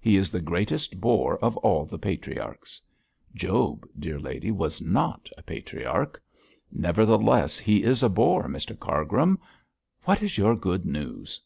'He is the greatest bore of all the patriarchs.' 'Job, dear lady, was not a patriarch.' 'Nevertheless, he is a bore, Mr Cargrim. What is your good news?'